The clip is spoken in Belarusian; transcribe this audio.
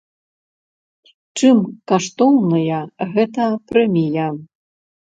Чым каштоўная гэта прэмія?